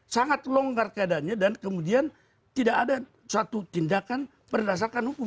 sangat longgar keadaannya dan kemudian tidak ada satu tindakan berdasarkan hukum